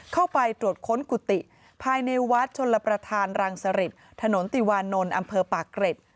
เข้าไปตรวจค้นกุฏิภายในวัดชนลประธานรังสริตถนนติวานนท์อำเภอปากเกร็ด